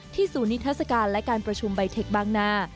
ศูนย์นิทัศกาลและการประชุมใบเทคบางนา